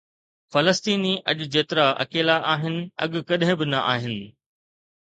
فلسطيني اڄ جيترا اڪيلا آهن، اڳ ڪڏهن به نه آهن.